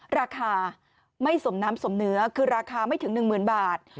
ราคาไม่สมน้ำสมเนื้อคือราคาไม่ถึง๑๐๐๐บาท